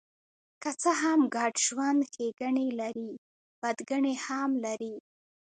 که څه هم ګډ ژوند ښېګڼې لري، بدګڼې هم لري.